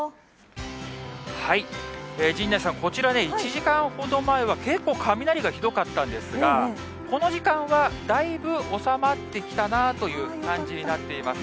陣内さん、こちらね、１時間ほど前は結構雷がひどかったんですが、この時間はだいぶ収まってきたなという感じになっています。